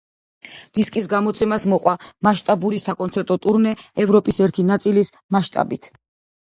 დისკის გამოცემას მოჰყვა მასშტაბური საკონცერტო ტურნე ევროპის ერთი ნაწილის მასშტაბით.